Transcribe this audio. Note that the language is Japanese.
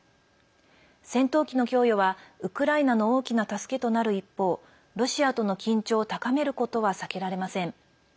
戦闘機の供与は、ウクライナの大きな助けとなる一方ロシアとの緊張を高めることは避けられません。